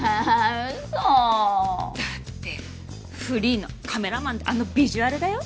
ウソだってフリーのカメラマンであのビジュアルだよ？